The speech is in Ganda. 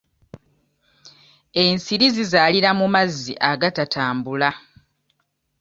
Ensiri zizaalira mu mazzi agatatambula.